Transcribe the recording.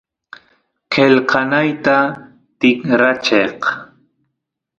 qelqanayta tikracheq